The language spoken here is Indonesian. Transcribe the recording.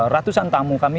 ratusan tamu kami